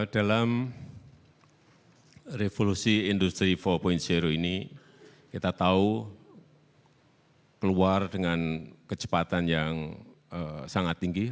dalam revolusi industri empat ini kita tahu keluar dengan kecepatan yang sangat tinggi